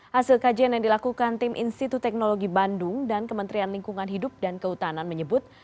hasil kajian yang dilakukan tim institut teknologi bandung dan kementerian lingkungan hidup dan kehutanan menyebut